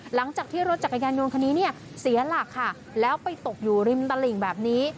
หลังจากที่รถจักรยานยนต์คันนี้เนี่ยเสียหลักค่ะแล้วไปตกอยู่ริมตลิ่งแบบนี้